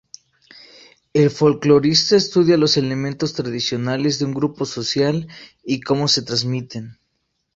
El folclorista estudia los elementos tradicionales de un grupo social y cómo se transmiten.